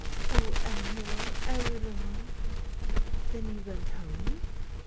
Oh, Eleanor, Eleanor!" "Then you went home?"